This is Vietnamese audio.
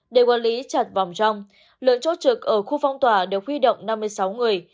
để quản lý chặt vòng trong lượng chốt trực ở khu phong tỏa đều huy động năm mươi sáu người